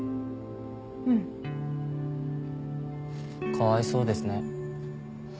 かわいそうですね。